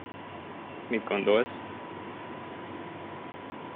Mit gondolsz?